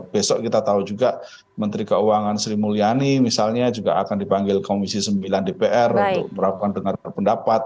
besok kita tahu juga menteri keuangan sri mulyani misalnya juga akan dipanggil komisi sembilan dpr untuk melakukan dengar pendapat